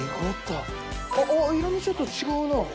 あっ色みちょっと違うな。